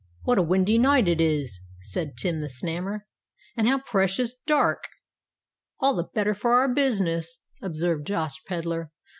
"What a windy night it is," said Tim the Snammer; "and how precious dark." "All the better for our business," observed Josh Pedler.